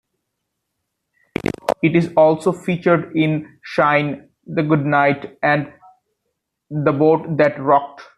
It is also featured in "Shine", "The Good Night" and "The Boat That Rocked".